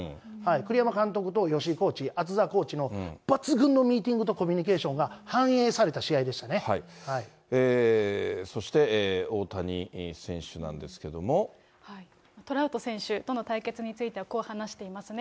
栗山監督と吉井コーチ、あつざわコーチの抜群のミーティングとコミュニケーションが反映そしてトラウト選手との対決についてはこう話していますね。